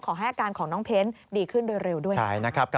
ขอให้อาการของน้องเพ้นดีขึ้นโดยเร็วด้วยนะครับ